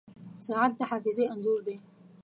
• ساعت د حافظې انځور دی.